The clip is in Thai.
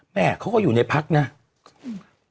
แม่เขาก็อยู่ในพักนะอืม